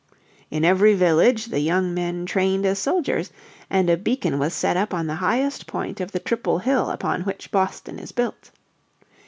In every village the young men trained as soldiers, and a beacon was set up on the highest point of the triple hill upon which Boston is built.